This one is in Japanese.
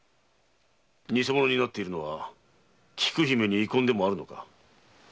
偽者になっているのは菊姫に遺恨でもあるのか？